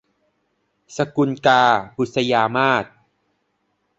สกุลกา - บุษยมาส